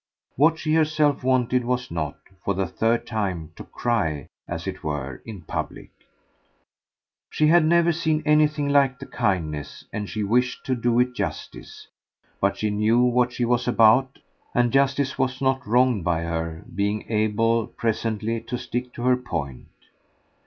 What she herself wanted was not, for the third time, to cry, as it were, in public. She HAD never seen anything like the kindness, and she wished to do it justice; but she knew what she was about, and justice was not wronged by her being able presently to stick to her point.